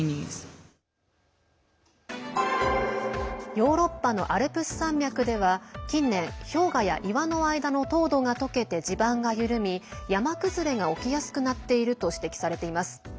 ヨーロッパのアルプス山脈では近年、氷河や岩の間の凍土が溶けて地盤が緩み山崩れが起きやすくなっていると指摘されています。